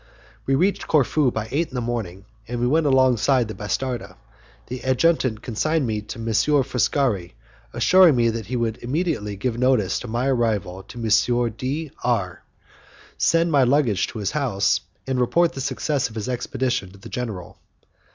We reached Corfu by eight o'clock in the morning, and we went alongside the 'bastarda. The adjutant consigned me to M. Foscari, assuring me that he would immediately give notice of my arrival to M. D R , send my luggage to his house, and report the success of his expedition to the general.